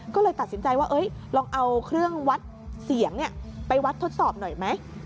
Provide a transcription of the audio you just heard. ก็เลยตัดสินใจว่าลองเอาเครื่องวัดเสียงไปวัดทดสอบหน่อยไหม